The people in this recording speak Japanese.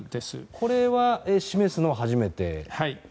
これは示すのは初めてですね。